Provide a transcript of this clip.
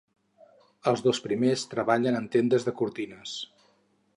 Els dos primers treballen en tendes de cortines.